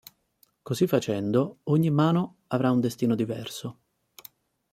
Così facendo ogni mano avrà un destino diverso.